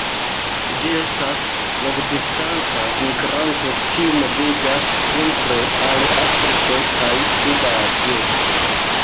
Ĝi estas longdistanca migranto kiu moviĝas vintre al Afriko kaj suda Azio.